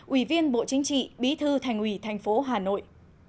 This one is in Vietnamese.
ubnd tp hà nội